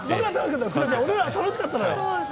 俺らは楽しかったのよ。